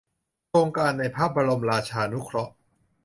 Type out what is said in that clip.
โครงการในพระบรมราชานุเคราะห์